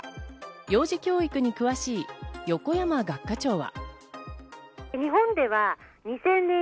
幼児教育に詳しい横山学科長は。